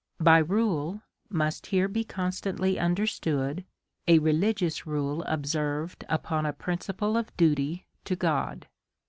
By rule must here be constantly understood a reli gious rule, observed upon a principle of duty to God.